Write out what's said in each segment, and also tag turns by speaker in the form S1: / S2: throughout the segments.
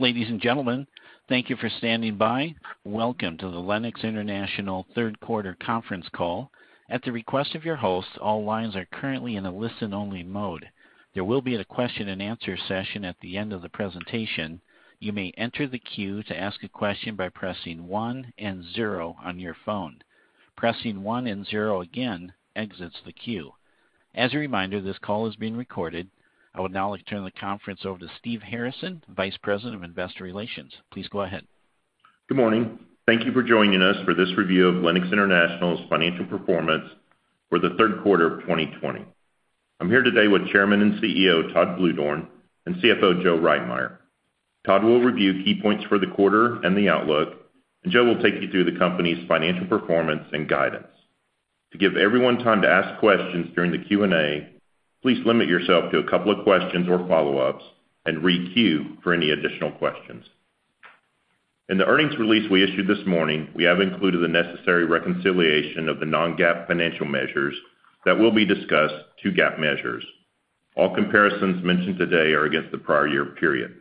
S1: Ladies and gentlemen, thank you for standing by. Welcome to the Lennox International third quarter conference call. At the request of your host, all lines are currently in a listen-only mode. There will be a question and answer session at the end of the presentation. You may enter the queue to ask a question by pressing one and zero on your phone. Pressing one and zero again exits the queue. As a reminder, this call is being recorded. I would now like to turn the conference over to Steve Harrison, Vice President of Investor Relations. Please go ahead.
S2: Good morning. Thank you for joining us for this review of Lennox International's financial performance for the third quarter of 2020. I'm here today with Chairman and CEO, Todd Bluedorn, and CFO, Joe Reitmeier. Todd will review key points for the quarter and the outlook, and Joe will take you through the company's financial performance and guidance. To give everyone time to ask questions during the Q&A, please limit yourself to a couple of questions or follow-ups and re-queue for any additional questions. In the earnings release we issued this morning, we have included the necessary reconciliation of the non-GAAP financial measures that will be discussed to GAAP measures. All comparisons mentioned today are against the prior year period.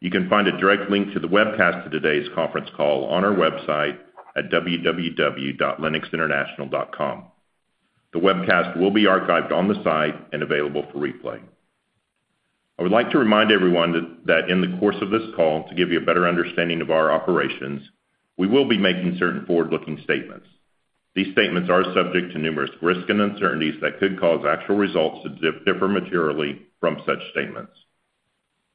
S2: You can find a direct link to the webcast of today's conference call on our website at www.lennoxinternational.com. The webcast will be archived on the site and available for replay. I would like to remind everyone that in the course of this call, to give you a better understanding of our operations, we will be making certain forward-looking statements. These statements are subject to numerous risks and uncertainties that could cause actual results to differ materially from such statements.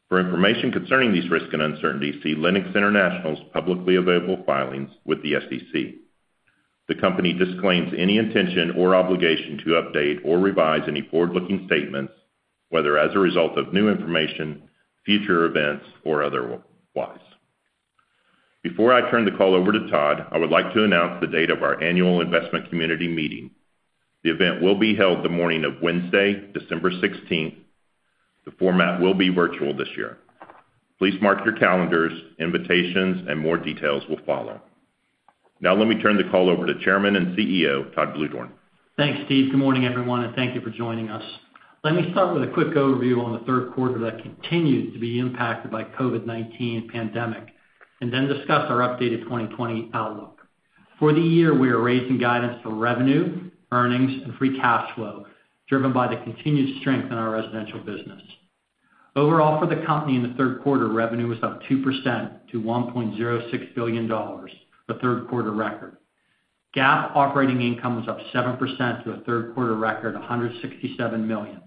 S2: For information concerning these risks and uncertainties, see Lennox International's publicly available filings with the SEC. The company disclaims any intention or obligation to update or revise any forward-looking statements, whether as a result of new information, future events, or otherwise. Before I turn the call over to Todd, I would like to announce the date of our annual investment community meeting. The event will be held the morning of Wednesday, December 16th. The format will be virtual this year. Please mark your calendars. Invitations and more details will follow. Now let me turn the call over to Chairman and CEO, Todd Bluedorn.
S3: Thanks, Steve. Good morning, everyone, and thank you for joining us. Let me start with a quick overview on the third quarter that continues to be impacted by COVID-19 pandemic, and then discuss our updated 2020 outlook. For the year, we are raising guidance for revenue, earnings, and free cash flow, driven by the continued strength in our residential business. Overall for the company in the third quarter, revenue was up 2% to $1.06 billion, a third-quarter record. GAAP operating income was up 7% to a third-quarter record $167 million.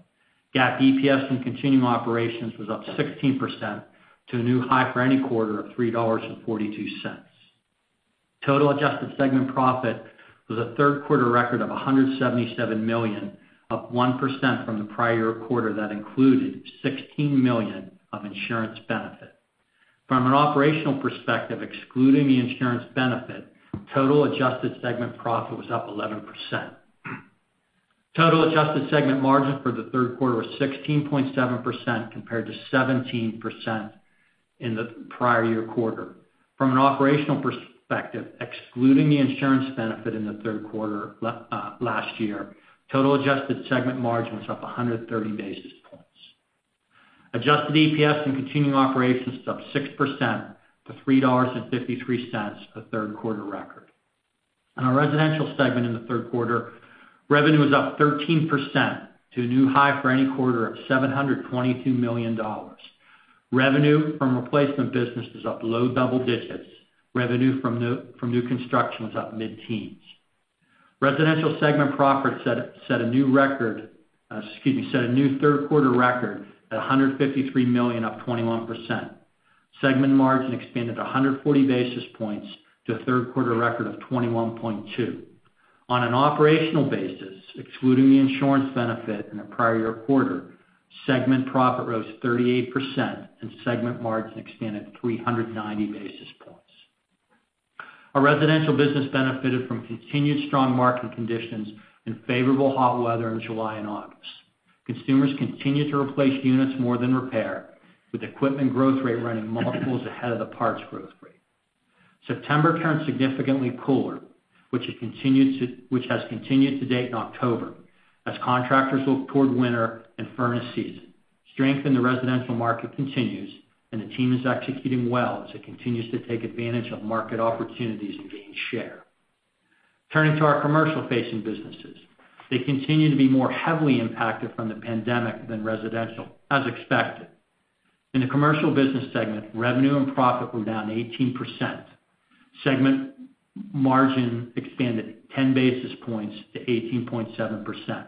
S3: GAAP EPS in continuing operations was up 16% to a new high for any quarter of $3.42. Total adjusted segment profit was a third-quarter record of $177 million, up 1% from the prior quarter that included $16 million of insurance benefit. From an operational perspective, excluding the insurance benefit, total adjusted segment profit was up 11%. Total adjusted segment margin for the third quarter was 16.7% compared to 17% in the prior-year quarter. From an operational perspective, excluding the insurance benefit in the third quarter last year, total adjusted segment margin was up 130 basis points. Adjusted EPS in continuing operations was up 6% to $3.53, a third-quarter record. In our residential segment in the third quarter, revenue was up 13% to a new high for any quarter of $722 million. Revenue from replacement business was up low double digits. Revenue from new construction was up mid-teens. Residential segment profit set a new third-quarter record at $153 million, up 21%. Segment margin expanded 140 basis points to a third-quarter record of 21.2%. On an operational basis, excluding the insurance benefit in the prior year quarter, segment profit rose 38% and segment margin expanded 390 basis points. Our residential business benefited from continued strong market conditions and favorable hot weather in July and August. Consumers continued to replace units more than repair, with equipment growth rate running multiples ahead of the parts growth rate. September turned significantly cooler, which has continued to date in October as contractors look toward winter and furnace season. Strength in the residential market continues, the team is executing well as it continues to take advantage of market opportunities and gain share. Turning to our commercial-facing businesses. They continue to be more heavily impacted from the pandemic than residential, as expected. In the commercial business segment, revenue and profit were down 18%. Segment margin expanded 10 basis points to 18.7%.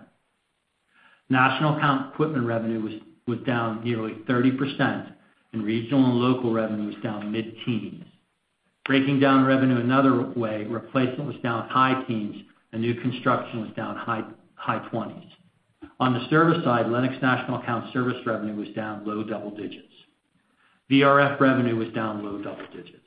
S3: National account equipment revenue was down nearly 30%, regional and local revenue was down mid-teens. Breaking down revenue another way, replacement was down high teens and new construction was down high 20s. On the service side, Lennox national account service revenue was down low double digits. VRF revenue was down low double digits.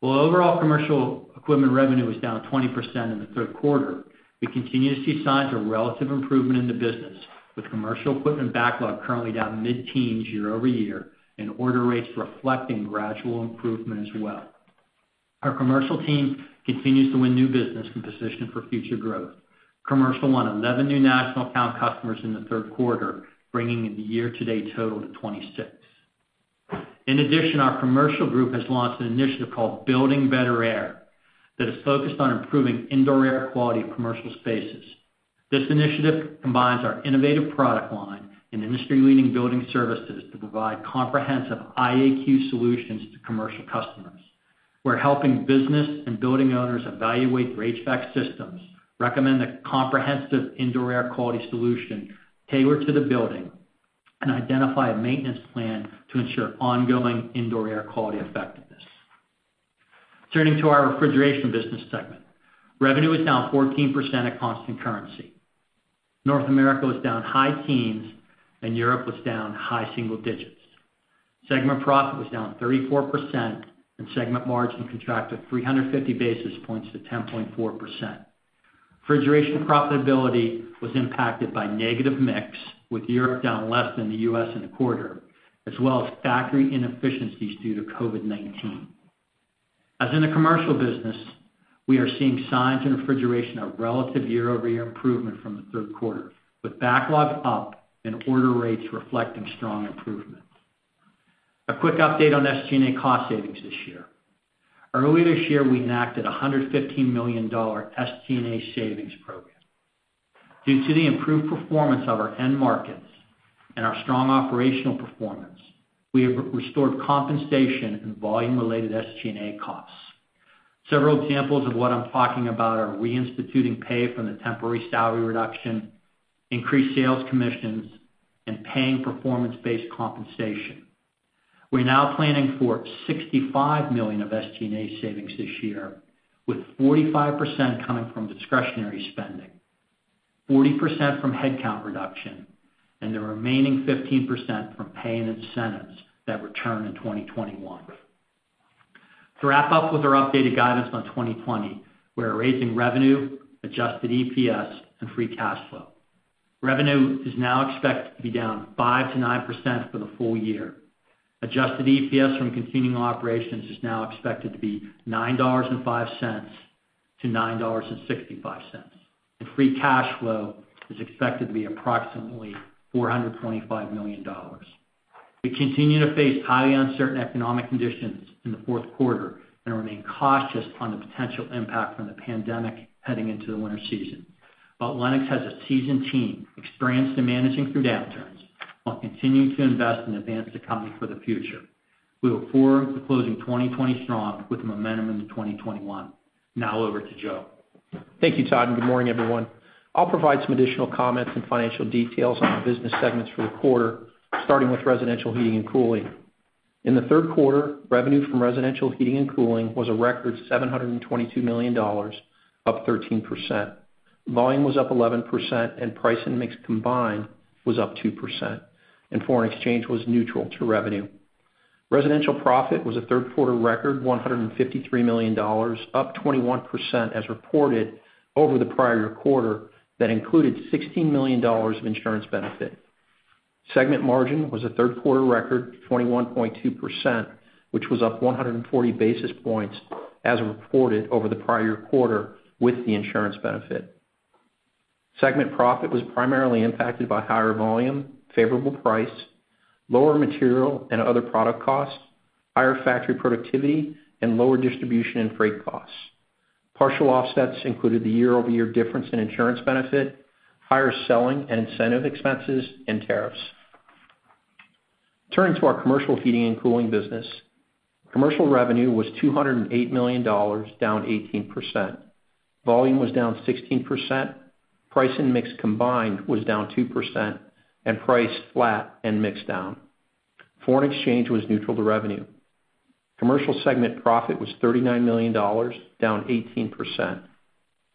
S3: While overall commercial equipment revenue was down 20% in the third quarter, we continue to see signs of relative improvement in the business, with commercial equipment backlog currently down mid-teens year-over-year and order rates reflecting gradual improvement as well. Our commercial team continues to win new business and position for future growth. Commercial won 11 new national account customers in the third quarter, bringing the year-to-date total to 26. In addition, our commercial group has launched an initiative called Building Better Air that is focused on improving indoor air quality in commercial spaces. This initiative combines our innovative product line and industry-leading building services to provide comprehensive IAQ solutions to commercial customers. We're helping business and building owners evaluate their HVAC systems, recommend a comprehensive indoor air quality solution tailored to the building, and identify a maintenance plan to ensure ongoing indoor air quality effectiveness. Turning to our refrigeration business segment. Revenue was down 14% at constant currency. North America was down high teens, and Europe was down high single digits. Segment profit was down 34%, and segment margin contracted 350 basis points to 10.4%. Refrigeration profitability was impacted by negative mix, with Europe down less than the U.S. in the quarter, as well as factory inefficiencies due to COVID-19. As in the commercial business, we are seeing signs in refrigeration of relative year-over-year improvement from the third quarter, with backlogs up and order rates reflecting strong improvements. A quick update on SG&A cost savings this year. Earlier this year, we enacted a $115 million SG&A savings program. Due to the improved performance of our end markets and our strong operational performance, we have restored compensation and volume-related SG&A costs. Several examples of what I'm talking about are reinstituting pay from the temporary salary reduction, increased sales commissions, and paying performance-based compensation. We're now planning for $65 million of SG&A savings this year, with 45% coming from discretionary spending, 40% from headcount reduction, and the remaining 15% from paying incentives that return in 2021. To wrap up with our updated guidance on 2020, we're raising revenue, adjusted EPS, and free cash flow. Revenue is now expected to be down 5%-9% for the full year. Adjusted EPS from continuing operations is now expected to be $9.05-$9.65. Free cash flow is expected to be approximately $425 million. We continue to face highly uncertain economic conditions in the fourth quarter and remain cautious on the potential impact from the pandemic heading into the winter season. Lennox has a seasoned team experienced in managing through downturns while continuing to invest in advanced technology for the future. We look forward to closing 2020 strong with momentum into 2021. Now over to Joe.
S4: Thank you, Todd. Good morning, everyone. I'll provide some additional comments and financial details on our business segments for the quarter, starting with residential heating and cooling. In the third quarter, revenue from residential heating and cooling was a record $722 million, up 13%. Volume was up 11%. Price and mix combined was up 2%. Foreign exchange was neutral to revenue. Residential profit was a third-quarter record $153 million, up 21% as reported over the prior quarter that included $16 million of insurance benefit. Segment margin was a third-quarter record 21.2%, which was up 140 basis points as reported over the prior quarter with the insurance benefit. Segment profit was primarily impacted by higher volume, favorable price, lower material and other product costs, higher factory productivity, and lower distribution and freight costs. Partial offsets included the year-over-year difference in insurance benefit, higher selling and incentive expenses, and tariffs. Turning to our commercial heating and cooling business. Commercial revenue was $208 million, down 18%. Volume was down 16%. Price and mix combined was down 2%, and price flat and mix down. Foreign exchange was neutral to revenue. Commercial segment profit was $39 million, down 18%.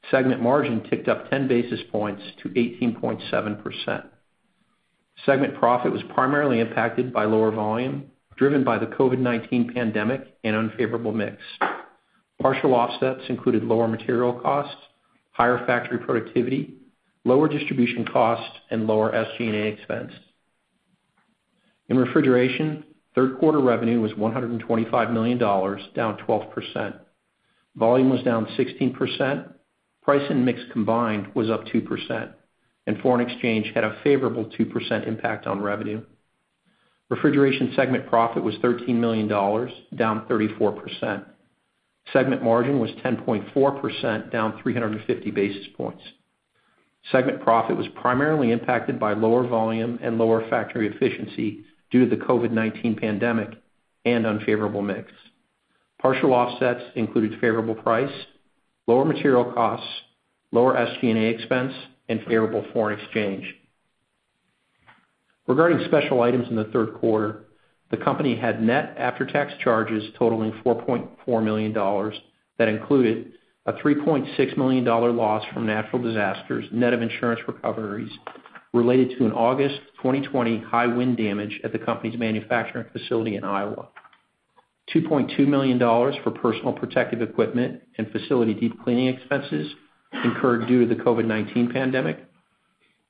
S4: Segment margin ticked up 10 basis points to 18.7%. Segment profit was primarily impacted by lower volume, driven by the COVID-19 pandemic and unfavorable mix. Partial offsets included lower material costs, higher factory productivity, lower distribution costs, and lower SG&A expense. In refrigeration, third-quarter revenue was $125 million, down 12%. Volume was down 16%. Price and mix combined was up 2%, and foreign exchange had a favorable 2% impact on revenue. Refrigeration segment profit was $13 million, down 34%. Segment margin was 10.4%, down 350 basis points. Segment profit was primarily impacted by lower volume and lower factory efficiency due to the COVID-19 pandemic and unfavorable mix. Partial offsets included favorable price, lower material costs, lower SG&A expense, and favorable foreign exchange. Regarding special items in the third quarter, the company had net after-tax charges totaling $4.4 million that included a $3.6 million loss from natural disasters, net of insurance recoveries related to an August 2020 high wind damage at the company's manufacturing facility in Iowa. $2.2 million for personal protective equipment and facility deep cleaning expenses incurred due to the COVID-19 pandemic.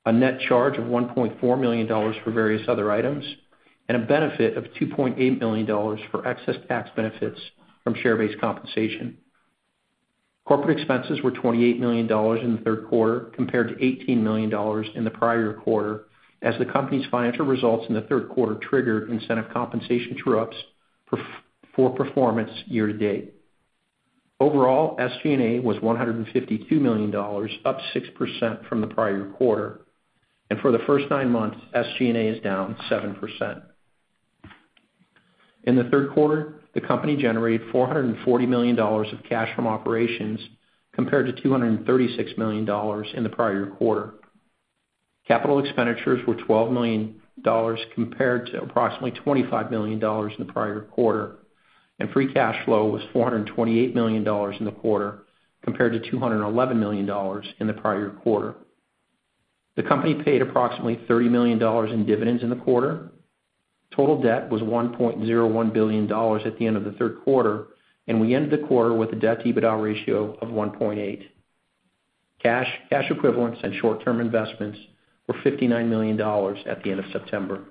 S4: A net charge of $1.4 million for various other items, and a benefit of $2.8 million for excess tax benefits from share-based compensation. Corporate expenses were $28 million in the third quarter compared to $18 million in the prior quarter, as the company's financial results in the third quarter triggered incentive compensation true-ups for performance year to date. Overall, SG&A was $152 million, up 6% from the prior quarter. For the first nine months, SG&A is down 7%. In the third quarter, the company generated $440 million of cash from operations, compared to $236 million in the prior quarter. Capital expenditures were $12 million compared to approximately $25 million in the prior quarter. Free cash flow was $428 million in the quarter compared to $211 million in the prior quarter. The company paid approximately $30 million in dividends in the quarter. Total debt was $1.01 billion at the end of the third quarter, and we ended the quarter with a debt-EBITDA ratio of 1.8. Cash equivalents and short-term investments were $59 million at the end of September.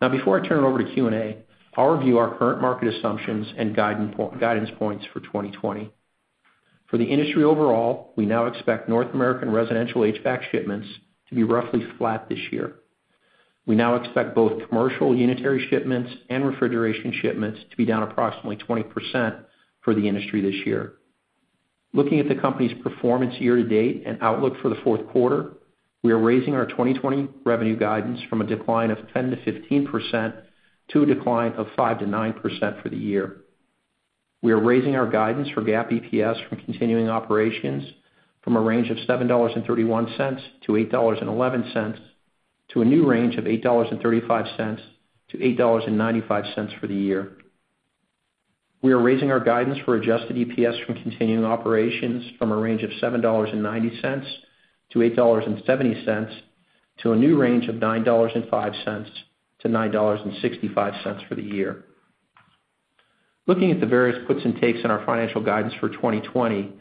S4: Before I turn it over to Q&A, I'll review our current market assumptions and guidance points for 2020. For the industry overall, we now expect North American residential HVAC shipments to be roughly flat this year. We now expect both commercial unitary shipments and refrigeration shipments to be down approximately 20% for the industry this year. Looking at the company's performance year to date and outlook for the fourth quarter, we are raising our 2020 revenue guidance from a decline of 10%-15%, to a decline of 5%-9% for the year. We are raising our guidance for GAAP EPS from continuing operations from a range of $7.31-$8.11, to a new range of $8.35-$8.95 for the year. We are raising our guidance for adjusted EPS from continuing operations from a range of $7.90-$8.70, to a new range of $9.05-$9.65 for the year. Looking at the various puts and takes in our financial guidance for 2020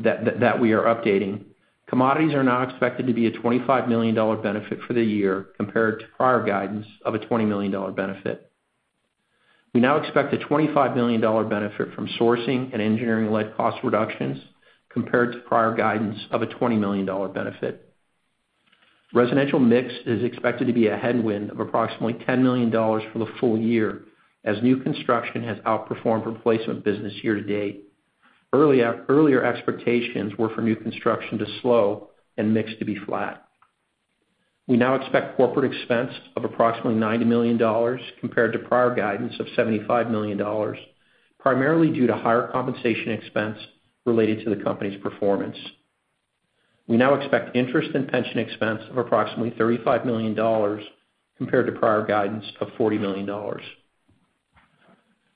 S4: that we are updating, commodities are now expected to be a $25 million benefit for the year compared to prior guidance of a $20 million benefit. We now expect a $25 million benefit from sourcing and engineering-led cost reductions compared to prior guidance of a $20 million benefit. Residential mix is expected to be a headwind of approximately $10 million for the full year as new construction has outperformed replacement business year to date. Earlier expectations were for new construction to slow and mix to be flat. We now expect corporate expense of approximately $90 million compared to prior guidance of $75 million, primarily due to higher compensation expense related to the company's performance. We now expect interest and pension expense of approximately $35 million compared to prior guidance of $40 million.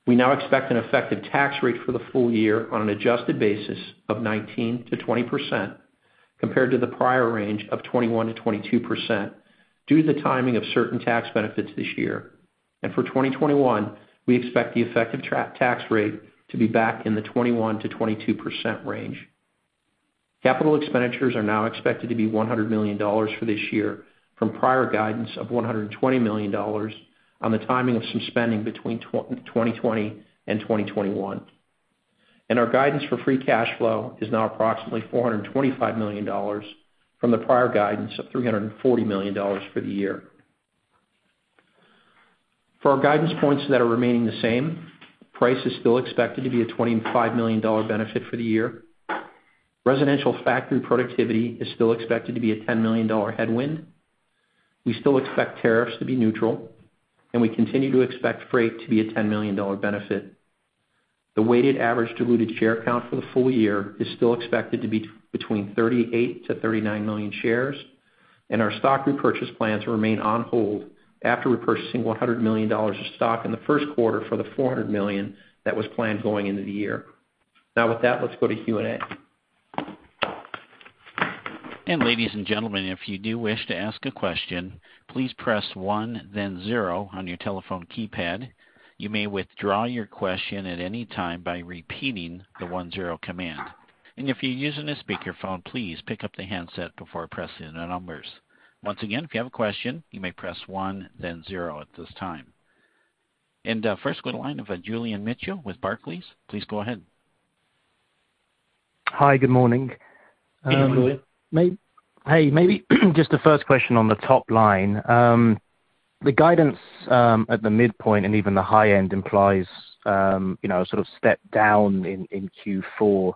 S4: We now expect an effective tax rate for the full year on an adjusted basis of 19%-20%, compared to the prior range of 21%-22% due to the timing of certain tax benefits this year. For 2021, we expect the effective tax rate to be back in the 21%-22% range. Capital expenditures are now expected to be $100 million for this year from prior guidance of $120 million on the timing of some spending between 2020 and 2021. Our guidance for free cash flow is now approximately $425 million from the prior guidance of $340 million for the year. For our guidance points that are remaining the same, price is still expected to be a $25 million benefit for the year. Residential factory productivity is still expected to be a $10 million headwind. We still expect tariffs to be neutral, and we continue to expect freight to be a $10 million benefit. The weighted average diluted share count for the full year is still expected to be between 38-39 million shares, and our stock repurchase plans remain on hold after repurchasing $100 million of stock in the first quarter for the $400 million that was planned going into the year. With that, let's go to Q&A.
S1: Ladies and gentlemen, if you do wish to ask a question, please press one, then zero on your telephone keypad. You may withdraw your question at any time by repeating the one-zero command. If you're using a speakerphone, please pick up the handset before pressing the numbers. Once again, if you have a question, you may press one, then zero at this time. First, go to the line of Julian Mitchell with Barclays. Please go ahead.
S5: Hi. Good morning.
S3: Hey, Julian.
S5: Hey. Maybe just the first question on the top line. The guidance at the midpoint and even the high end implies sort of step down in Q4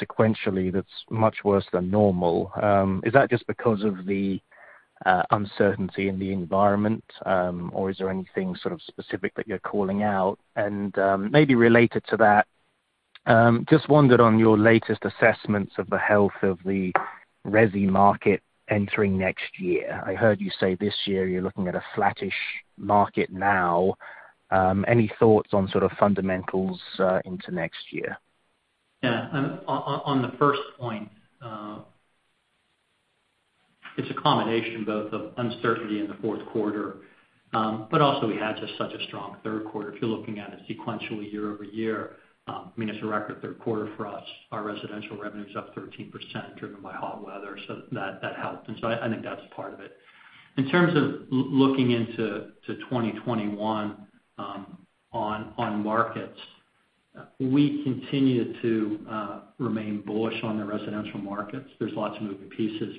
S5: sequentially that's much worse than normal. Is that just because of the uncertainty in the environment? Is there anything sort of specific that you're calling out? Maybe related to that, just wondered on your latest assessments of the health of the resi market entering next year. I heard you say this year you're looking at a flattish market now. Any thoughts on sort of fundamentals into next year?
S3: Yeah. On the first point, it's a combination both of uncertainty in the fourth quarter. Also we had just such a strong third quarter. If you're looking at it sequentially year-over-year, I mean, it's a record third quarter for us. Our residential revenue's up 13%, driven by hot weather. That helped. I think that's part of it. In terms of looking into 2021 on markets, we continue to remain bullish on the residential markets. There's lots of moving pieces.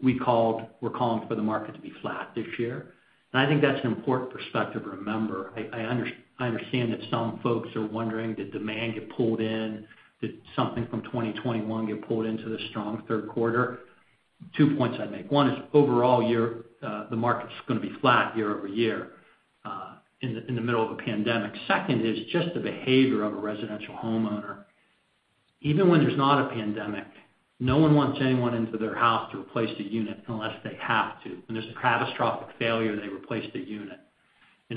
S3: We're calling for the market to be flat this year. I think that's an important perspective to remember. I understand that some folks are wondering, did demand get pulled in? Did something from 2021 get pulled into the strong third quarter? Two points I'd make. One is overall, the market's going to be flat year-over-year in the middle of a pandemic. Second is just the behavior of a residential homeowner. Even when there's not a pandemic, no one wants anyone into their house to replace the unit unless they have to. When there's a catastrophic failure, they replace the unit.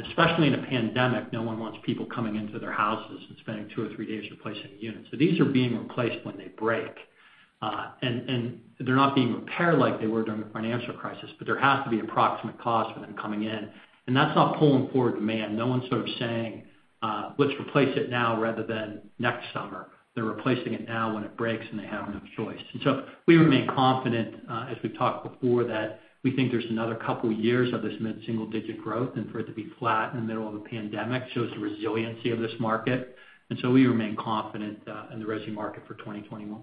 S3: Especially in a pandemic, no one wants people coming into their houses and spending two or three days replacing a unit. These are being replaced when they break. They're not being repaired like they were during the financial crisis, but there has to be approximate cost for them coming in, and that's not pulling forward demand. No one's sort of saying, "Let's replace it now rather than next summer." They're replacing it now when it breaks, and they have no choice. We remain confident, as we've talked before, that we think there's another couple of years of this mid-single digit growth, and for it to be flat in the middle of a pandemic shows the resiliency of this market. We remain confident in the resi market for 2021.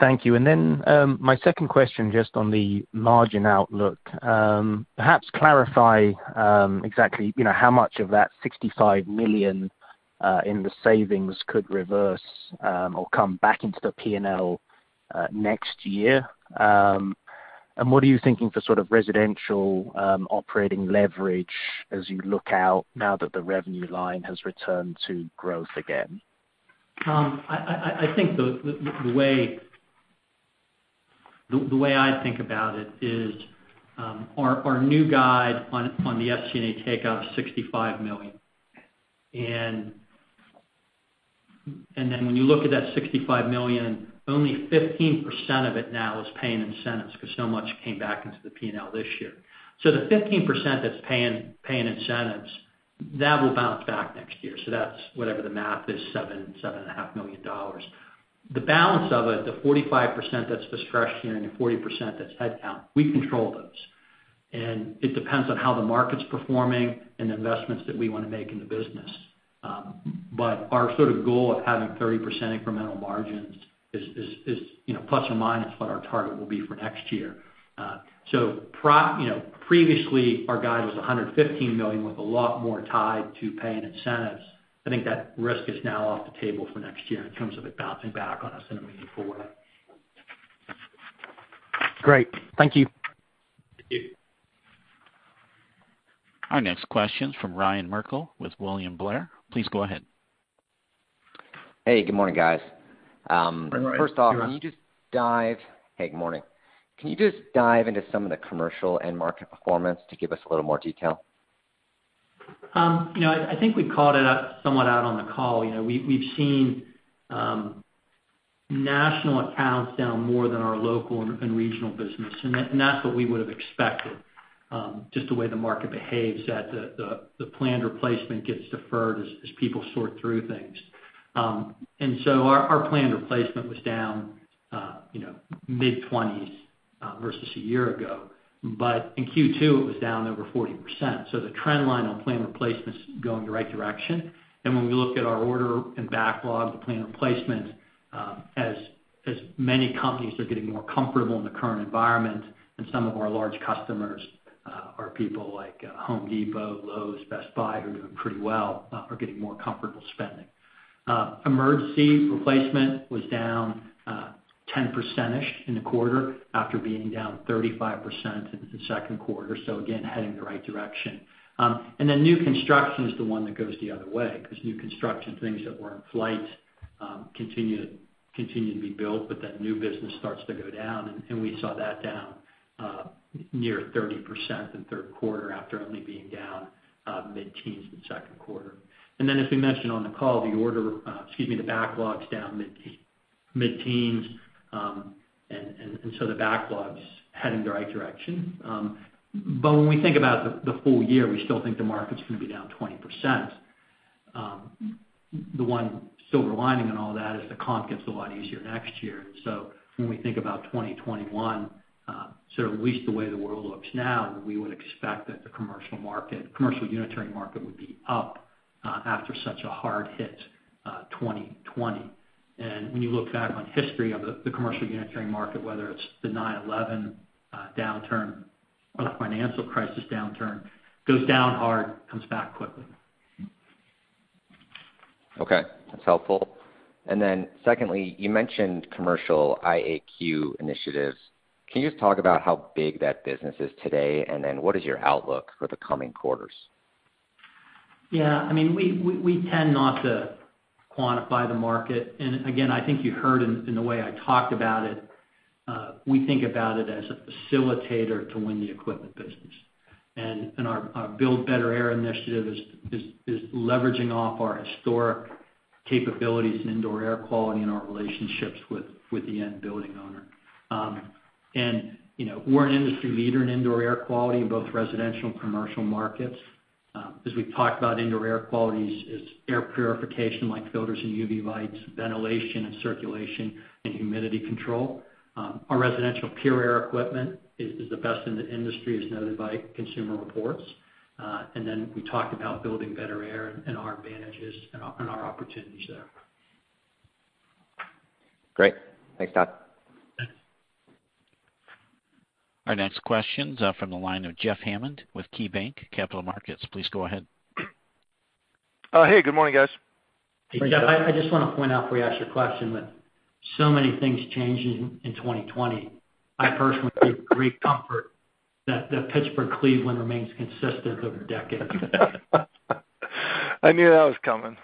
S5: Thank you. My second question, just on the margin outlook. Perhaps clarify exactly how much of that $65 million in the savings could reverse or come back into the P&L next year. What are you thinking for sort of residential operating leverage as you look out now that the revenue line has returned to growth again?
S3: The way I think about it is our new guide on the SG&A take out is $65 million. When you look at that $65 million, only 15% of it now is paying incentives because so much came back into the P&L this year. The 15% that's paying incentives, that will bounce back next year. That's whatever the math is, $7 million-$7.5 million. The balance of it, the 45% that's discretionary and the 40% that's headcount, we control those. It depends on how the market's performing and the investments that we want to make in the business. Our sort of goal of having 30% incremental margins is plus or minus what our target will be for next year. Previously, our guide was $115 million with a lot more tied to paying incentives. I think that risk is now off the table for next year in terms of it bouncing back on us in a meaningful way.
S5: Great. Thank you.
S3: Thank you.
S1: Our next question is from Ryan Merkel with William Blair. Please go ahead.
S6: Hey, good morning, guys.
S3: Hi, Ryan. How are you?
S6: Hey, good morning. Can you just dive into some of the commercial end market performance to give us a little more detail?
S3: I think we called it somewhat out on the call. We've seen national accounts down more than our local and regional business, and that's what we would've expected, just the way the market behaves, that the planned replacement gets deferred as people sort through things. Our planned replacement was down mid-20s versus a year ago. In Q2, it was down over 40%. The trend line on planned replacement's going the right direction. When we look at our order and backlog to planned replacement, as many companies are getting more comfortable in the current environment, and some of our large customers are people like Home Depot, Lowe's, Best Buy, who are doing pretty well, are getting more comfortable spending. Emergency replacement was down 10%-ish in the quarter after being down 35% in the second quarter. Again, heading the right direction. New construction is the one that goes the other way, because new construction things that were in flight continue to be built, but that new business starts to go down, and we saw that down near 30% in third quarter after only being down mid-teens in the second quarter. As we mentioned on the call, the backlog's down mid-teens. The backlog's heading the right direction. When we think about the full year, we still think the market's going to be down 20%. The one silver lining in all that is the comp gets a lot easier next year. When we think about 2021, sort of at least the way the world looks now, we would expect that the commercial unitary market would be up after such a hard hit 2020. When you look back on history of the commercial unitary market, whether it's the 9/11 downturn or the financial crisis downturn, goes down hard, comes back quickly.
S6: Okay. That's helpful. Secondly, you mentioned commercial IAQ initiatives. Can you just talk about how big that business is today, and then what is your outlook for the coming quarters?
S3: Yeah. I mean, we tend not to quantify the market. Again, I think you heard in the way I talked about it, we think about it as a facilitator to win the equipment business. Our Building Better Air initiative is leveraging off our historic capabilities in indoor air quality and our relationships with the end building owner. We're an industry leader in indoor air quality in both residential and commercial markets. As we've talked about indoor air quality is air purification like filters and UV lights, ventilation and circulation, and humidity control. Our residential PureAir equipment is the best in the industry, as noted by Consumer Reports. Then we talked about Building Better Air and our advantages and our opportunities there.
S6: Great. Thanks, Todd.
S3: Yeah.
S1: Our next question's from the line of Jeff Hammond with KeyBanc Capital Markets. Please go ahead.
S7: Hey, good morning, guys.
S3: Hey, Jeff. I just want to point out before you ask your question that so many things changed in 2020. I personally take great comfort that Pittsburgh, Cleveland remains consistent over decades.
S7: I knew that was coming.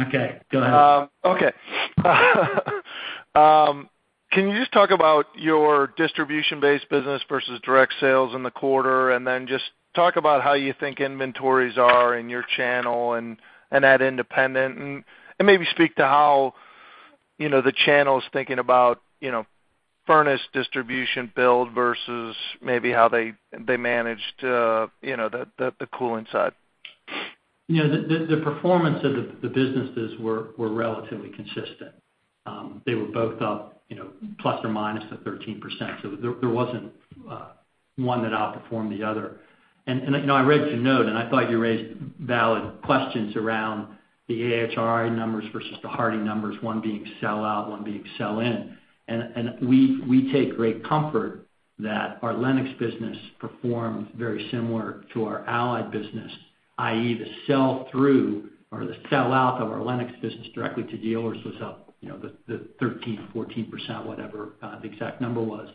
S3: Okay, go ahead.
S7: Okay. Can you just talk about your distribution-based business versus direct sales in the quarter? And then just talk about how you think inventories are in your channel and at independent, and maybe speak to how the channel's thinking about furnace distribution build versus maybe how they managed the cooling side?
S3: The performance of the businesses were relatively consistent. They were both up ±13%, There wasn't one that outperformed the other. I read your note, I thought you raised valid questions around the AHRI numbers versus the HARDI numbers, one being sell-out, one being sell-in. We take great comfort that our Lennox business performed very similar to our Allied business, i.e., the sell-through or the sell-out of our Lennox business directly to dealers was up 13% or 14%, whatever the exact number was.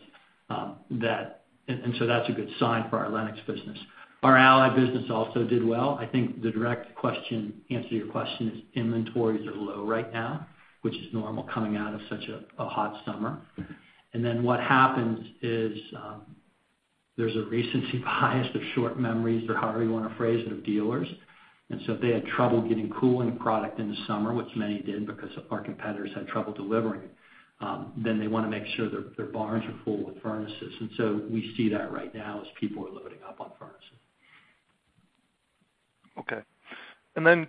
S3: That's a good sign for our Lennox business. Our Allied business also did well. I think the direct answer to your question is inventories are low right now, which is normal coming out of such a hot summer. What happens is there's a recency bias of short memories or however you want to phrase it, of dealers. If they had trouble getting cooling product in the summer, which many did because our competitors had trouble delivering, then they want to make sure their barns are full with furnaces. We see that right now as people are loading up on furnaces.
S7: Okay.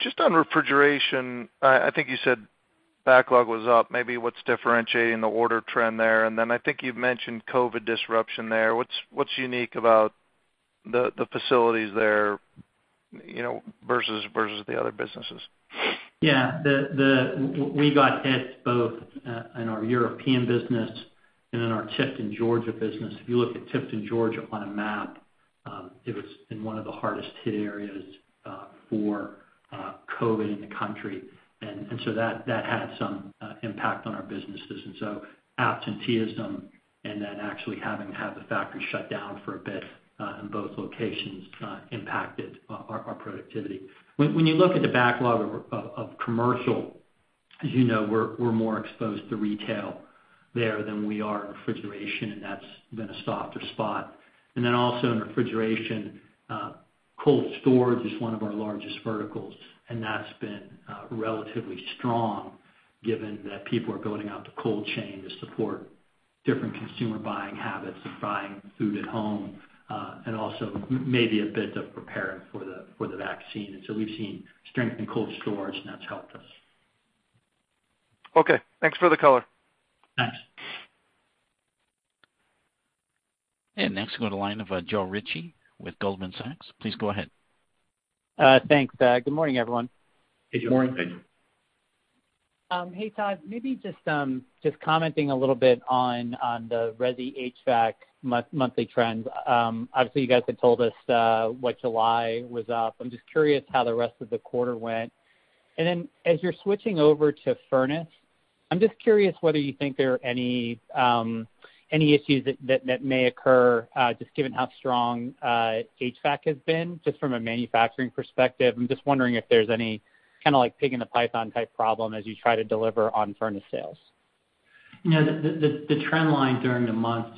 S7: Just on refrigeration, I think you said backlog was up. Maybe what's differentiating the order trend there, and then I think you've mentioned COVID disruption there. What's unique about the facilities there versus the other businesses?
S3: Yeah. We got hit both in our European business and in our Tifton, Georgia business. If you look at Tifton, Georgia, on a map, it was in one of the hardest hit areas for COVID in the country. That had some impact on our businesses. Absenteeism and then actually having to have the factory shut down for a bit in both locations impacted our productivity. When you look at the backlog of commercial, as you know, we're more exposed to retail there than we are in refrigeration, and that's been a softer spot. Also in refrigeration, cold storage is one of our largest verticals, and that's been relatively strong given that people are building out the cold chain to support different consumer buying habits of buying food at home, and also maybe a bit of preparing for the vaccine. We've seen strength in cold storage, and that's helped us.
S7: Okay. Thanks for the color.
S3: Thanks.
S1: Next we go to the line of Joe Ritchie with Goldman Sachs. Please go ahead.
S8: Thanks. Good morning, everyone.
S3: Good morning.
S4: Good morning.
S8: Hey, Todd, maybe just commenting a little bit on the resi HVAC monthly trends. Obviously, you guys had told us what July was up. I'm just curious how the rest of the quarter went. As you're switching over to furnace, I'm just curious whether you think there are any issues that may occur just given how strong HVAC has been, just from a manufacturing perspective. I'm just wondering if there's any kind of like pig in the python type problem as you try to deliver on furnace sales.
S3: The trend line during the months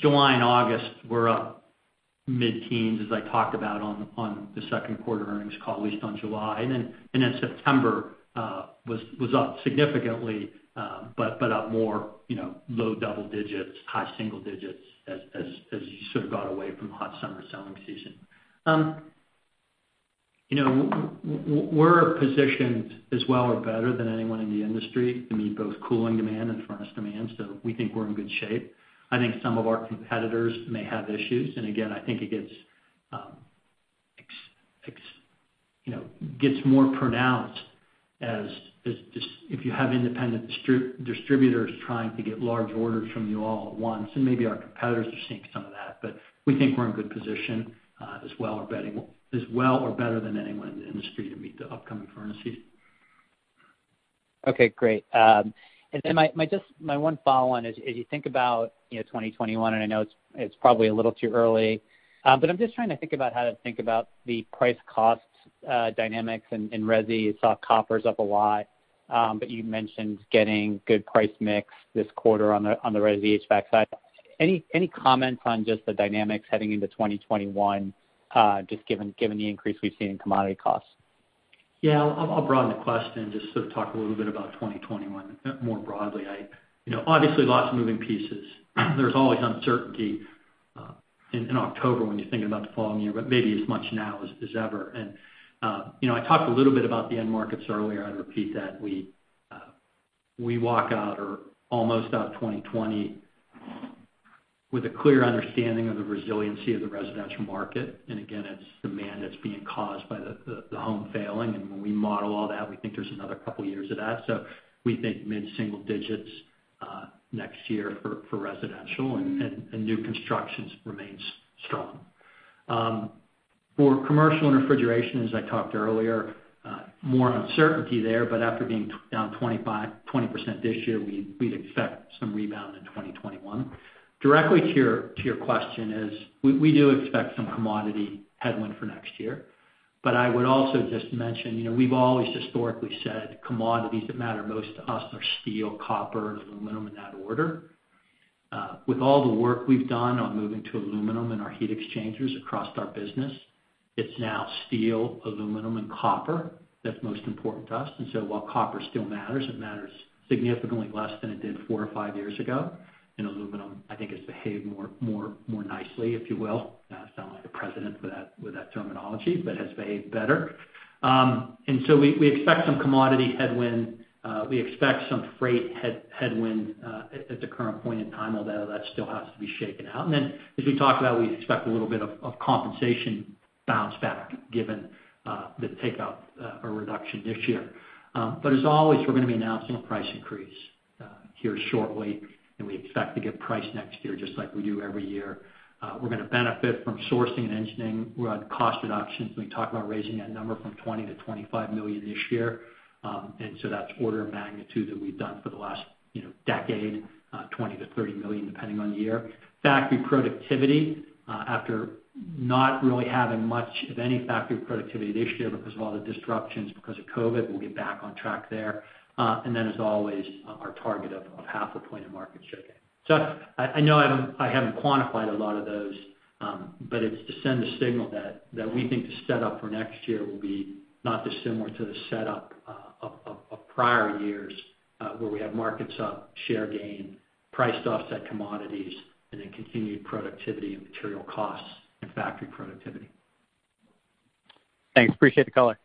S3: July and August were up mid-teens, as I talked about on the second quarter earnings call, at least on July. September was up significantly, but up more low double digits, high single digits as you sort of got away from hot summer selling season. We're positioned as well or better than anyone in the industry to meet both cooling demand and furnace demand. We think we're in good shape. I think some of our competitors may have issues. Again, I think it gets more pronounced as if you have independent distributors trying to get large orders from you all at once, and maybe our competitors are seeing some of that. We think we're in a good position as well or better than anyone in the industry to meet the upcoming furnace season.
S8: Okay, great. My one follow-on is, as you think about 2021, and I know it's probably a little too early, but I'm just trying to think about how to think about the price cost dynamics in resi. You saw copper's up a lot. You mentioned getting good price mix this quarter on the resi HVAC side. Any comments on just the dynamics heading into 2021, just given the increase we've seen in commodity costs?
S3: Yeah, I'll broaden the question, just sort of talk a little bit about 2021 more broadly. Obviously, lots of moving pieces. There's always uncertainty in October when you're thinking about the following year, but maybe as much now as ever. I talked a little bit about the end markets earlier. I'd repeat that we walk out or almost out 2020 with a clear understanding of the resiliency of the residential market. Again, it's demand that's being caused by the home failing. When we model all that, we think there's another couple of years of that. We think mid-single digits next year for residential, new constructions remains strong. For commercial and refrigeration, as I talked earlier, more uncertainty there. After being down 20% this year, we'd expect some rebound in 2021. Directly to your question is, we do expect some commodity headwind for next year. I would also just mention, we've always historically said commodities that matter most to us are steel, copper and aluminum in that order. With all the work we've done on moving to aluminum in our heat exchangers across our business, it's now steel, aluminum, and copper that's most important to us. While copper still matters, it matters significantly less than it did four or five years ago. Aluminum, I think, has behaved more nicely, if you will. Sound like a president with that terminology, but has behaved better. We expect some commodity headwind. We expect some freight headwind at the current point in time, although that still has to be shaken out. As we talked about, we expect a little bit of compensation bounce back given the take up or reduction this year. As always, we're going to be announcing a price increase here shortly, and we expect to get price next year just like we do every year. We're going to benefit from sourcing and engineering. We're on cost reductions. We talked about raising that number from $20 million to $25 million this year. That's order of magnitude that we've done for the last decade, $20 million to $30 million, depending on the year. Factory productivity, after not really having much of any factory productivity this year because of all the disruptions because of COVID, we'll get back on track there. As always, our target of half a point of market share gain. I know I haven't quantified a lot of those, but it's to send the signal that we think the setup for next year will be not dissimilar to the setup of prior years, where we have markets up, share gain, price to offset commodities, and then continued productivity and material costs and factory productivity.
S8: Thanks. Appreciate the color.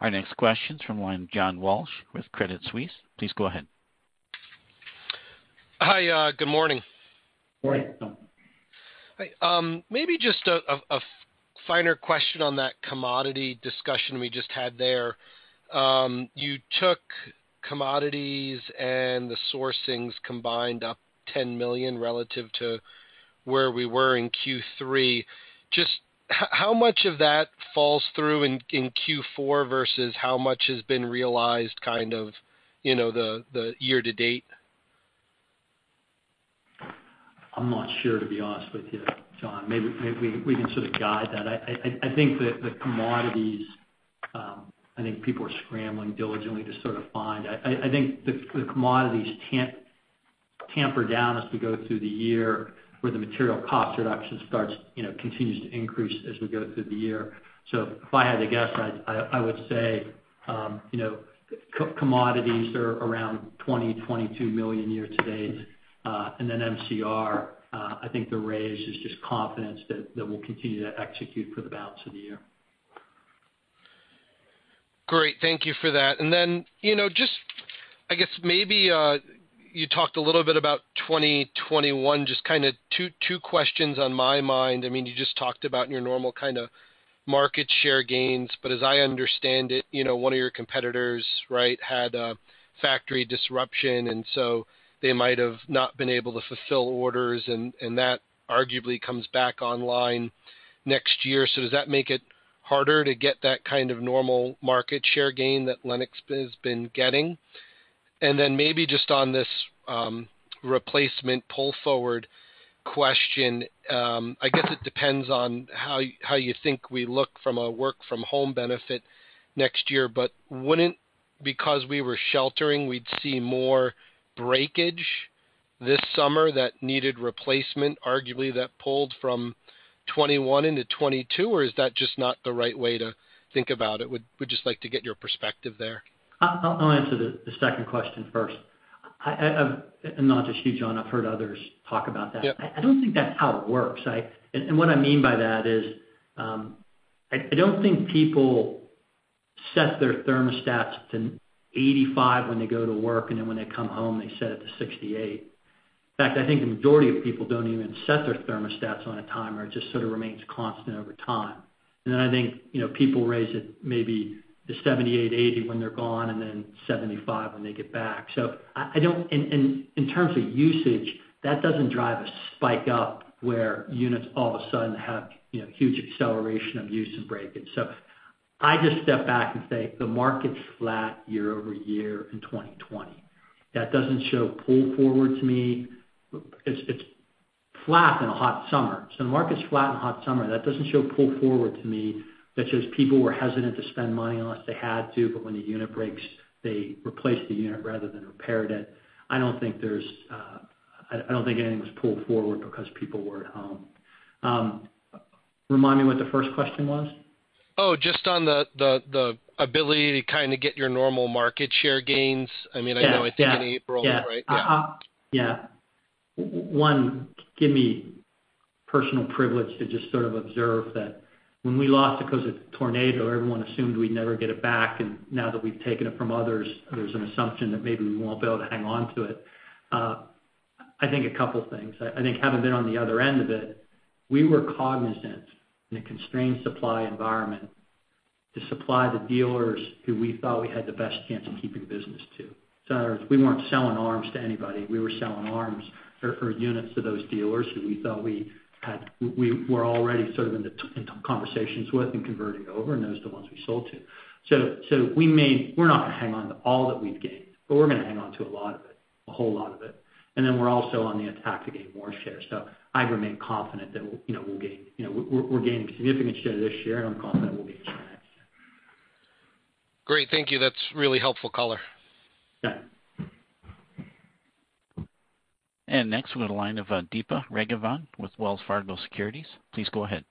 S1: Our next question is from John Walsh with Credit Suisse. Please go ahead.
S9: Hi. Good morning.
S3: Morning.
S9: Maybe just a finer question on that commodity discussion we just had there. You took commodities and the sourcings combined up $10 million relative to where we were in Q3. Just how much of that falls through in Q4 versus how much has been realized kind of the year to date?
S3: I'm not sure, to be honest with you, John. Maybe we can sort of guide that. I think people are scrambling diligently to sort of find. I think the commodities tamp down as we go through the year, where the material cost reduction continues to increase as we go through the year. If I had to guess, I would say commodities are around $20 million-$22 million year to date. Then MCR, I think the raise is just confidence that we'll continue to execute for the balance of the year.
S9: Great. Thank you for that. I guess maybe you talked a little bit about 2021, just kind of two questions on my mind. You just talked about your normal kind of market share gains, as I understand it, one of your competitors, right, had a factory disruption, they might have not been able to fulfill orders, and that arguably comes back online next year. Does that make it harder to get that kind of normal market share gain that Lennox has been getting? Maybe just on this replacement pull forward question, I guess it depends on how you think we look from a work from home benefit next year. Wouldn't because we were sheltering, we'd see more breakage this summer that needed replacement, arguably that pulled from 2021 into 2022? Is that just not the right way to think about it? Would just like to get your perspective there.
S3: I'll answer the second question first. Not just you, John, I've heard others talk about that.
S9: Yeah.
S3: I don't think that's how it works. What I mean by that is, I don't think people set their thermostats to 85 when they go to work, and then when they come home, they set it to 68. In fact, I think the majority of people don't even set their thermostats on a timer. It just sort of remains constant over time. Then I think people raise it maybe to 78, 80 when they're gone, and then 75 when they get back. In terms of usage, that doesn't drive a spike up where units all of a sudden have huge acceleration of use and breakage. I just step back and say the market's flat year-over-year in 2020. That doesn't show pull forward to me. It's flat and a hot summer. The market's flat and hot summer, that doesn't show pull forward to me that says people were hesitant to spend money unless they had to, but when the unit breaks, they replaced the unit rather than repaired it. I don't think anything was pulled forward because people were at home. Remind me what the first question was.
S9: Oh, just on the ability to get your normal market share gains. I know I think in April, right? Yeah.
S3: Yeah. One, give me personal privilege to just observe that when we lost it because of the tornado, everyone assumed we'd never get it back, and now that we've taken it from others, there's an assumption that maybe we won't be able to hang on to it. I think a couple things. I think having been on the other end of it, we were cognizant in a constrained supply environment to supply the dealers who we thought we had the best chance of keeping business to. In other words, we weren't selling arms to anybody. We were selling arms or units to those dealers who we thought we were already in conversations with and converting over, and those are the ones we sold to. We're not going to hang on to all that we've gained, but we're going to hang on to a lot of it, a whole lot of it. We're also on the attack to gain more shares. I remain confident that we'll gain. We're gaining significant share this year, and I'm confident we'll gain share next year.
S9: Great. Thank you. That's really helpful color.
S3: Yeah.
S1: Next, we go to the line of Deepa Raghavan with Wells Fargo Securities. Please go ahead.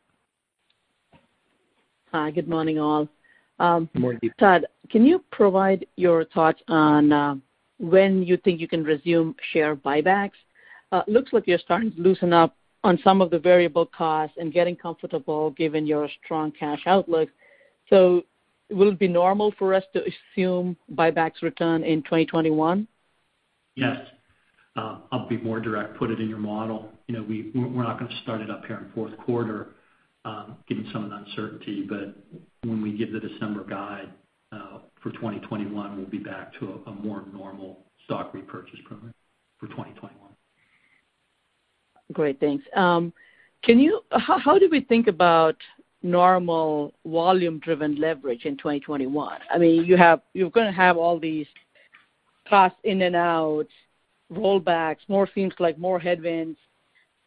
S10: Hi, good morning, all.
S3: Good morning, Deepa.
S10: Todd, can you provide your thoughts on when you think you can resume share buybacks? Looks like you're starting to loosen up on some of the variable costs and getting comfortable given your strong cash outlook. Will it be normal for us to assume buybacks return in 2021?
S3: Yes. I'll be more direct. Put it in your model. We're not going to start it up here in fourth quarter given some of the uncertainty, but when we give the December guide for 2021, we'll be back to a more normal stock repurchase program for 2021.
S10: Great, thanks. How do we think about normal volume-driven leverage in 2021? You're going to have all these costs in and out, rollbacks, more seems like headwinds.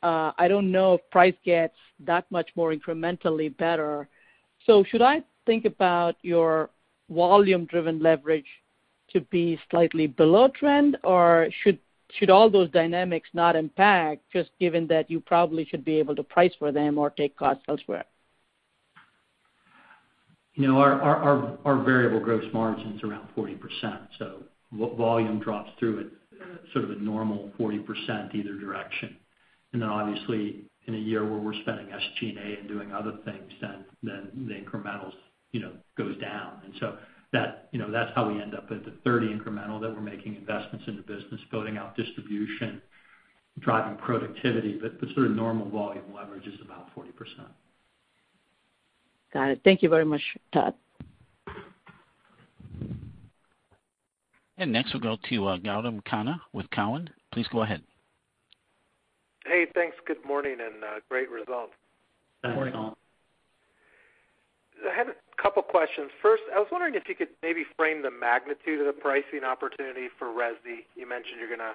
S10: I don't know if price gets that much more incrementally better. Should I think about your volume-driven leverage to be slightly below trend? Or should all those dynamics not impact just given that you probably should be able to price for them or take costs elsewhere?
S3: Our variable gross margin's around 40%, so volume drops through at a normal 40% either direction. Obviously in a year where we're spending SG&A and doing other things, then the incremental goes down. That's how we end up at the 30 incremental that we're making investments in the business, building out distribution, driving productivity. The normal volume leverage is about 40%.
S10: Got it. Thank you very much, Todd.
S1: Next we'll go to Gautam Khanna with Cowen. Please go ahead.
S11: Hey, thanks. Good morning and great results.
S3: Good morning, Gautam.
S11: I have a couple questions. First, I was wondering if you could maybe frame the magnitude of the pricing opportunity for resi. You mentioned you're going to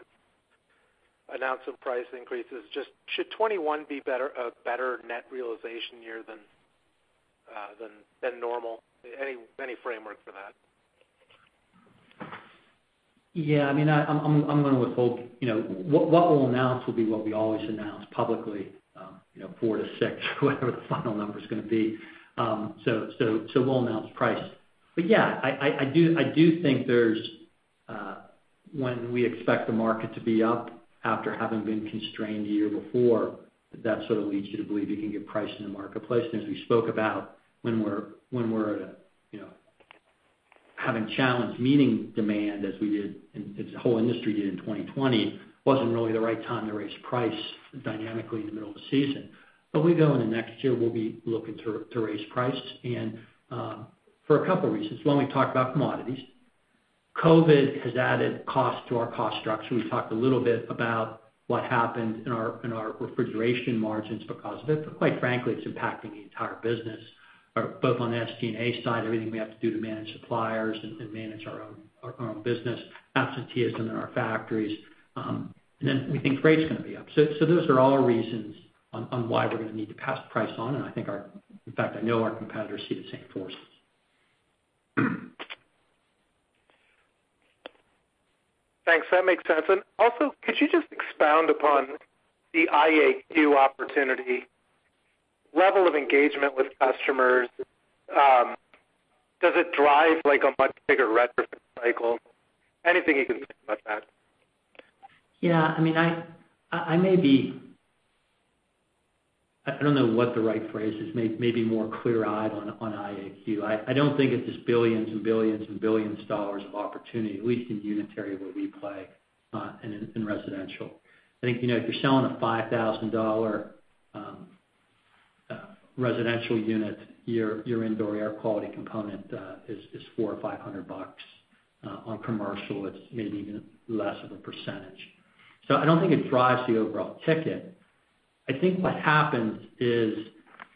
S11: announce some price increases. Just should 2021 be a better net realization year than normal? Any framework for that?
S3: Yeah, I'm going to withhold. What we'll announce will be what we always announce publicly, four to six, whatever the final number's going to be. We'll announce price. Yeah, I do think when we expect the market to be up after having been constrained the year before, that sort of leads you to believe you can get price in the marketplace. As we spoke about when we're having challenged meeting demand as we did, and as the whole industry did in 2020, wasn't really the right time to raise price dynamically in the middle of the season. We go in the next year, we'll be looking to raise price and for a couple reasons. One, we talked about commodities. COVID has added cost to our cost structure. We talked a little bit about what happened in our refrigeration margins because of it, but quite frankly, it's impacting the entire business, both on the SG&A side, everything we have to do to manage suppliers and manage our own business, absenteeism in our factories. Then we think freight's going to be up. Those are all reasons on why we're going to need to pass the price on. I think in fact I know our competitors see the same forces.
S11: Thanks. That makes sense. Also, could you just expound upon the IAQ opportunity level of engagement with customers? Does it drive a much bigger retrofit cycle? Anything you can say about that?
S3: Yeah. I don't know what the right phrase is. Maybe more clear-eyed on IAQ. I don't think it's just billions and billions and billions of dollars of opportunity, at least in unitary where we play in residential. I think if you're selling a $5,000 residential unit, your indoor air quality component is $400 or $500. On commercial, it's maybe even less of a percentage. I don't think it drives the overall ticket. I think what happens is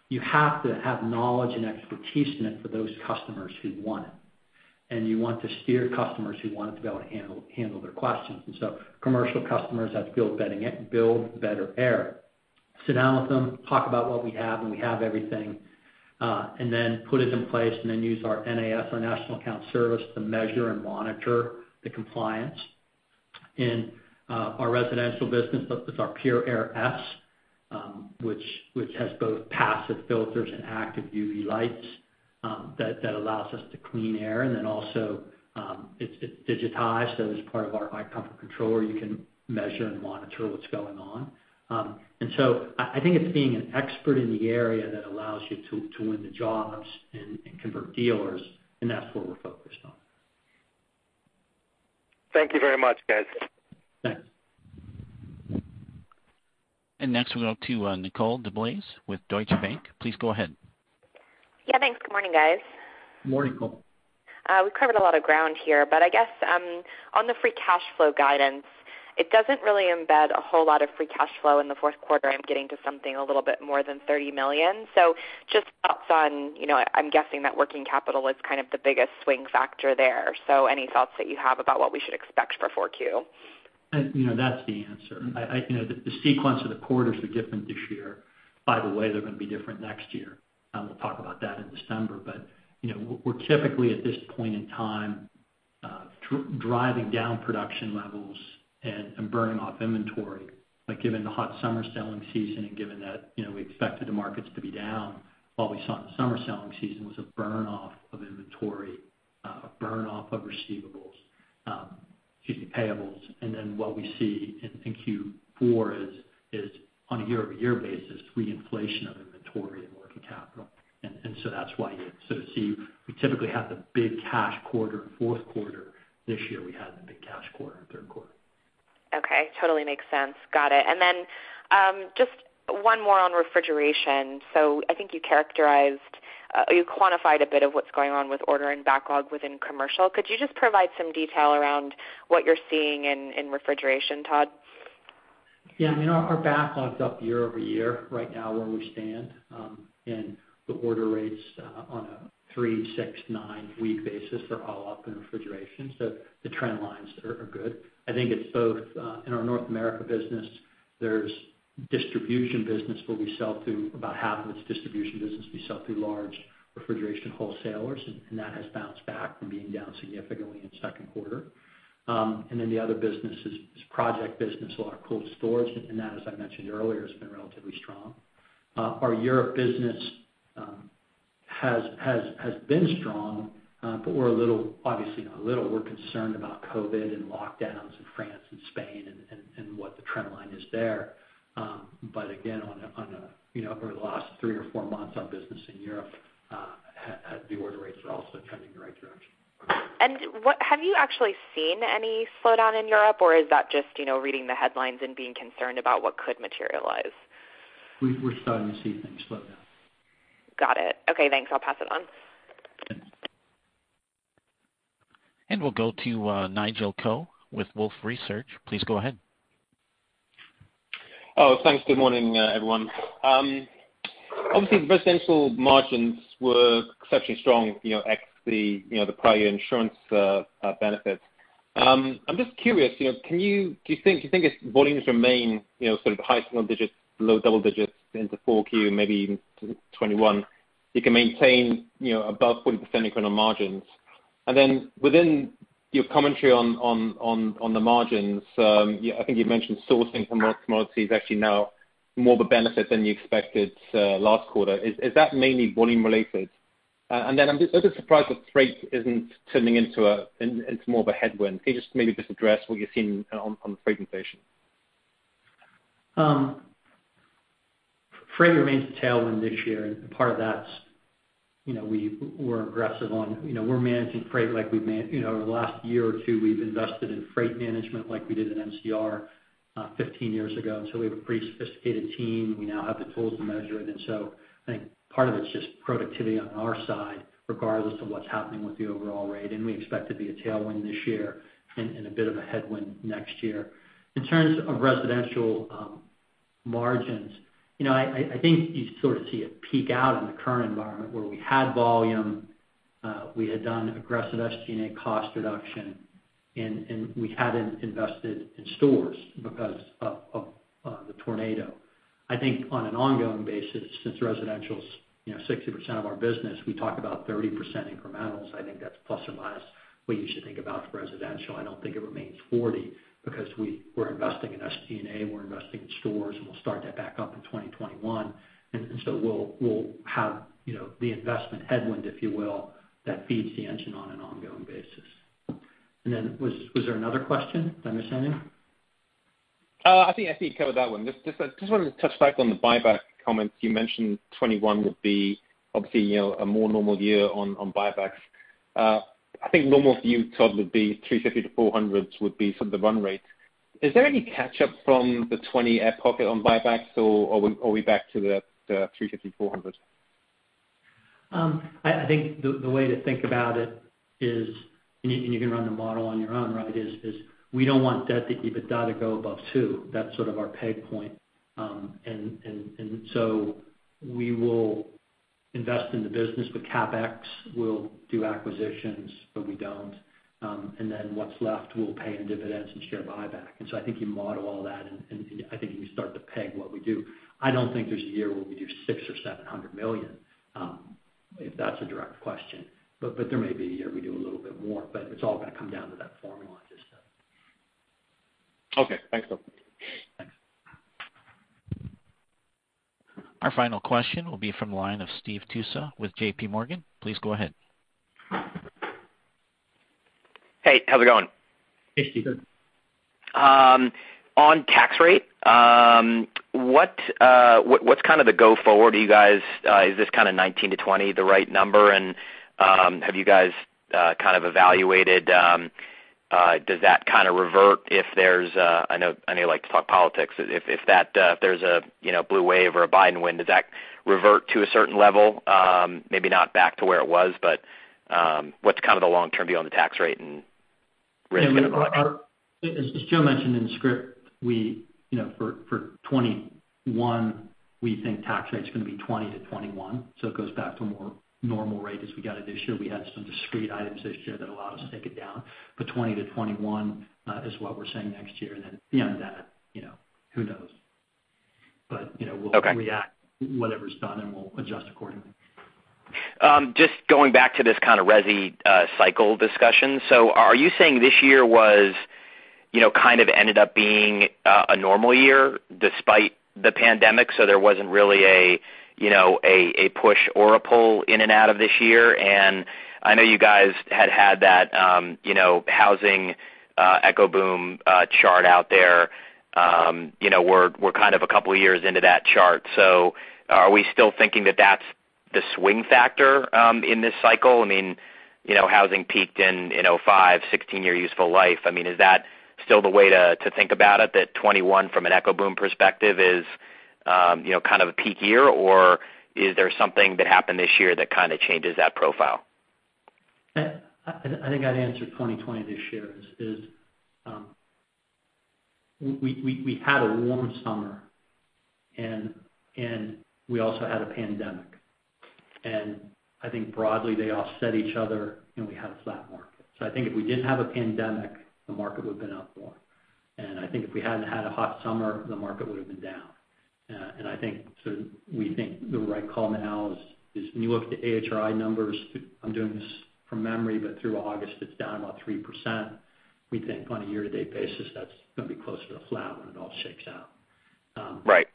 S3: you have to have knowledge and expertise in it for those customers who want it. You want to steer customers who want to be able to handle their questions. Commercial customers have to Building Better Air. Sit down with them, talk about what we have, and we have everything, and then put it in place, and then use our NAS, our National Account Services, to measure and monitor the compliance. In our residential business, that's our PureAir S which has both passive filters and active UV lights that allows us to clean air. It's digitized, so as part of our iComfort controller, you can measure and monitor what's going on. I think it's being an expert in the area that allows you to win the jobs and convert dealers. That's where we're focused on.
S11: Thank you very much, guys.
S3: Thanks.
S1: Next we go to Nicole DeBlase with Deutsche Bank. Please go ahead.
S12: Yeah, thanks. Good morning, guys.
S3: Good morning, Nicole.
S12: We've covered a lot of ground here, but I guess on the free cash flow guidance, it doesn't really embed a whole lot of free cash flow in the fourth quarter. I'm getting to something a little bit more than $30 million. Just thoughts on, I'm guessing that working capital is kind of the biggest swing factor there. Any thoughts that you have about what we should expect for 4Q?
S3: That's the answer. The sequence of the quarters are different this year. They're going to be different next year. We'll talk about that in December. We're typically at this point in time driving down production levels and burning off inventory. Given the hot summer selling season and given that we expected the markets to be down, what we saw in the summer selling season was a burn-off of inventory, a burn-off of receivables, excuse me, payables. What we see in Q4 is on a year-over-year basis, re-inflation of inventory and working capital. That's why you sort of see we typically have the big cash quarter in fourth quarter. This year, we had the big cash quarter in third quarter.
S12: Okay. Totally makes sense. Got it. Just one more on refrigeration. I think you quantified a bit of what's going on with order and backlog within commercial. Could you just provide some detail around what you're seeing in refrigeration, Todd?
S3: Yeah. Our backlog is up year-over-year right now where we stand. The order rates on a three, six, nine-week basis are all up in refrigeration. The trend lines are good. I think it's both in our North America business, there's distribution business where we sell to about half of its distribution business, we sell through large refrigeration wholesalers, and that has bounced back from being down significantly in second quarter. The other business is project business, a lot of cold storage. That, as I mentioned earlier, has been relatively strong. Our Europe business has been strong, but we're a little, obviously not a little, we're concerned about COVID and lockdowns in France and Spain and what the trend line is there. Again, over the last three or four months, our business in Europe, the order rates are also trending in the right direction.
S12: Have you actually seen any slowdown in Europe, or is that just reading the headlines and being concerned about what could materialize?
S3: We're starting to see things slow down.
S12: Got it. Okay, thanks. I'll pass it on.
S3: Thanks.
S1: We'll go to Nigel Coe with Wolfe Research. Please go ahead.
S13: Oh, thanks. Good morning, everyone. Obviously, residential margins were exceptionally strong ex the prior insurance benefits. I'm just curious, do you think as volumes remain sort of high single digits, low double digits into 4Q, maybe even 2021, you can maintain above 40% incremental margins? Within your commentary on the margins, I think you mentioned sourcing from multiple commodities is actually now more of a benefit than you expected last quarter. Is that mainly volume related? I'm just a little surprised that freight isn't turning into more of a headwind. Can you just maybe address what you're seeing on the freight inflation?
S3: Freight remains a tailwind this year, part of that, we're aggressive on managing freight like we've over the last year or two, we've invested in freight management like we did in MCR 15 years ago. We have a pretty sophisticated team. We now have the tools to measure it. I think part of it's just productivity on our side, regardless of what's happening with the overall rate. We expect it to be a tailwind this year and a bit of a headwind next year. In terms of residential margins, I think you sort of see it peak out in the current environment where we had volume, we had done aggressive SG&A cost reduction, and we hadn't invested in stores because of the tornado. I think on an ongoing basis, since residential's 60% of our business, we talk about 30% incrementals. I think that's plus or minus what you should think about for residential. I don't think it remains 40 because we're investing in SG&A, we're investing in stores, and we'll start that back up in 2021. We'll have the investment headwind, if you will, that feeds the engine on an ongoing basis. Was there another question that I'm missing?
S13: I think you covered that one. Just wanted to touch back on the buyback comments. You mentioned 2021 would be obviously a more normal year on buybacks. I think normal for you, Todd, would be $350 million-$400 million would be sort of the run rate. Is there any catch-up from the 2020 pocket on buybacks, or are we back to the $350 million, $400 million?
S3: I think the way to think about it is, you can run the model on your own, is we don't want debt to EBITDA to go above two. That's sort of our peg point. We will invest in the business with CapEx. We'll do acquisitions, but we don't. Then what's left, we'll pay in dividends and share buyback. I think you model all that, and I think you can start to peg what we do. I don't think there's a year where we do $600 million or $700 million, if that's a direct question. There may be a year we do a little bit more, but it's all going to come down to that formula I just said.
S13: Okay, thanks.
S3: Thanks.
S1: Our final question will be from the line of Steve Tusa with JPMorgan. Please go ahead.
S14: Hey, how's it going?
S3: Hey, Steve.
S14: On tax rate, what's kind of the go forward for you guys? Is this kind of 2019 to 2020 the right number? Have you guys kind of evaluated, does that kind of revert if there's a I know you don't like to talk politics. If there's a blue wave or a Biden win, does that revert to a certain level? Maybe not back to where it was, but what's the long-term view on the tax rate and risk and approach?
S3: As Joe mentioned in the script, for 2021, we think tax rate's going to be 20%-21%. It goes back to a more normal rate as we got it this year. We had some discrete items this year that allowed us to take it down. 20%-21% is what we're saying next year. Then beyond that, who knows?
S14: Okay.
S3: We'll react to whatever's done, and we'll adjust accordingly.
S14: Just going back to this kind of resi cycle discussion. Are you saying this year kind of ended up being a normal year despite the pandemic, so there wasn't really a push or a pull in and out of this year? I know you guys had that housing echo boom chart out there. We're kind of a couple of years into that chart. Are we still thinking that that's the swing factor in this cycle? Housing peaked in 2005, 16-year useful life. Is that still the way to think about it, that 2021 from an echo boom perspective is kind of a peak year, or is there something that happened this year that kind of changes that profile?
S3: I think I'd answer 2020 this year as we had a warm summer, and we also had a pandemic. I think broadly they offset each other, and we had a flat market. I think if we didn't have a pandemic, the market would've been up more. I think if we hadn't had a hot summer, the market would've been down. We think the right call now is when you look at the AHRI numbers, I'm doing this from memory, but through August, it's down about 3%. We think on a year-to-date basis, that's going to be closer to flat when it all shakes out.
S14: Right.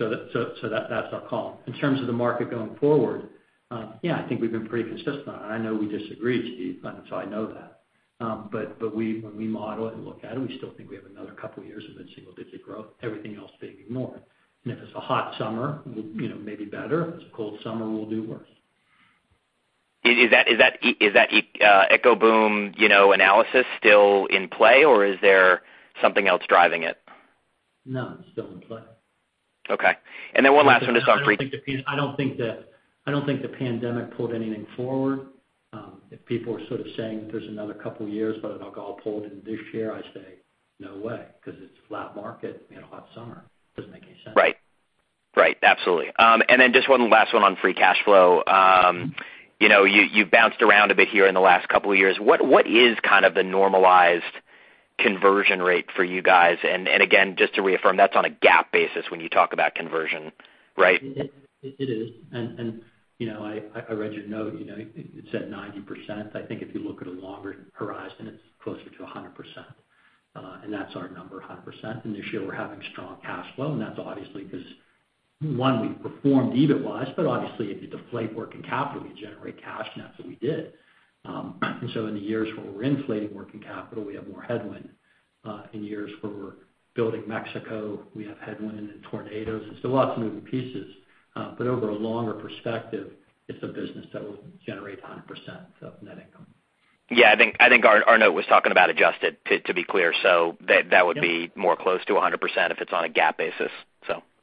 S3: That's our call. In terms of the market going forward, I think we've been pretty consistent on it. I know we disagreed, Steve, I know that. When we model it and look at it, we still think we have another couple of years of it, single-digit growth, everything else being ignored. If it's a hot summer, it may be better. If it's a cold summer, we'll do worse.
S14: Is that echo boom analysis still in play, or is there something else driving it?
S3: No, it's still in play.
S14: Okay. Then one last one.
S3: I don't think the pandemic pulled anything forward. If people are sort of saying there's another couple of years, but it all pulled into this year, I say, no way, because it's a flat market in a hot summer. Doesn't make any sense.
S14: Right. Right. Absolutely. Just one last one on free cash flow. You bounced around a bit here in the last couple of years. What is kind of the normalized conversion rate for you guys? Just to reaffirm, that's on a GAAP basis when you talk about conversion, right?
S3: It is. I read your note. It said 90%. I think if you look at a longer horizon, it's closer to 100%. That's our number, 100%. This year, we're having strong cash flow, and that's obviously because one, we've performed EBIT-wise, but obviously if you deflate working capital, you generate cash, and that's what we did. In the years where we're inflating working capital, we have more headwind. In years where we're building Mexico, we have headwind and tornadoes and so lots of moving pieces. Over a longer perspective, it's a business that will generate 100%, so net income.
S14: Yeah, I think our note was talking about adjusted, to be clear.
S3: Yeah.
S14: Would be more close to 100% if it's on a GAAP basis.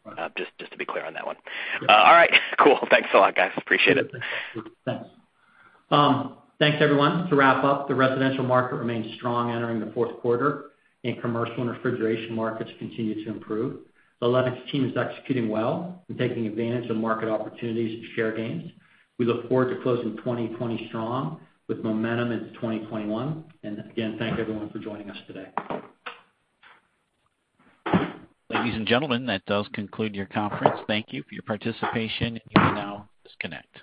S3: Right.
S14: Just to be clear on that one.
S3: Sure.
S14: All right, cool. Thanks a lot, guys. Appreciate it.
S3: Thanks. Thanks, everyone. To wrap up, the residential market remains strong entering the fourth quarter, and commercial and refrigeration markets continue to improve. The Lennox team is executing well and taking advantage of market opportunities and share gains. We look forward to closing 2020 strong with momentum into 2021. Again, thank everyone for joining us today.
S1: Ladies and gentlemen, that does conclude your conference. Thank you for your participation. You may now disconnect.